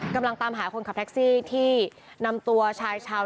กำลังตามหาคนขับแท็กซี่ที่นำตัวชายชาว